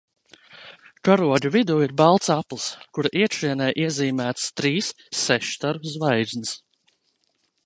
Karoga vidū ir balts aplis, kura iekšienē iezīmētas trīs sešstaru zvaigznes.